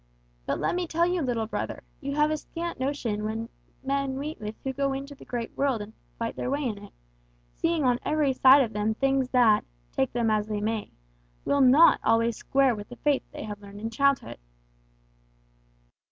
But let me tell you, little brother, you have a scant notion what men meet with who go forth into the great world and fight their way in it; seeing on every side of them things that, take them as they may, will not always square with the faith they have learned in childhood."